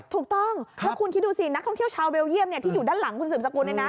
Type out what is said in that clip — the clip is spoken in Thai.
ถูกต้องแล้วคุณคิดดูสินักท่องเที่ยวชาวเบลเยี่ยมที่อยู่ด้านหลังคุณสืบสกุล